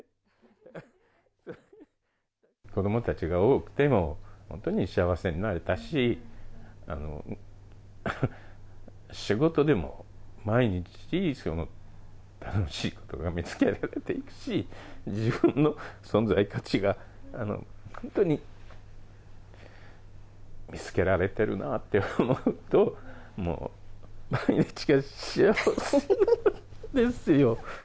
子どもたちが多くても、本当に幸せになれたし、仕事でも毎日、楽しいことが見つけられていくし、自分の存在価値が本当に、見つけられてるなあと思うと、もう毎日が幸せですよ。